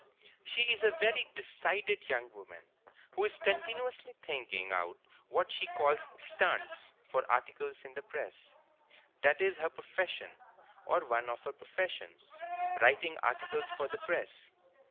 She is a very decided young woman, who is continually thinking out what she calls "stunts" for articles in the press. That is her profession, or one of her professions—writing articles for the press.